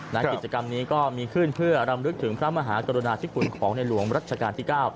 กิจกรรมนี้ก็มีขึ้นเพื่อรำลึกถึงพระมหากรุณาธิคุณของในหลวงรัชกาลที่๙